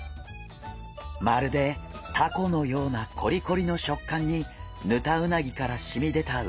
まるでタコのようなコリコリの食感にヌタウナギからしみ出たうまみ。